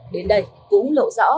đến đây cũng lộ rõ